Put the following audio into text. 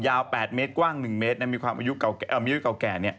ยาว๘เมตรกว้าง๑เมตรมีความอายุเก่าแก่